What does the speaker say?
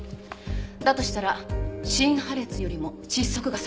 だとしたら心破裂よりも窒息が先。